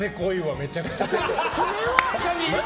めちゃくちゃ。